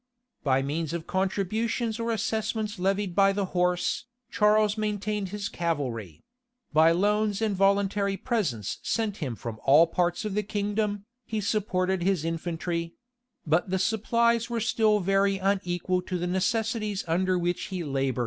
By means of contributions or assessments levied by the horse, Charles maintained his cavalry; by loans and voluntary presents sent him from all parts of the kingdom, he supported his infantry: but the supplies were still very unequal to the necessities under which he labored.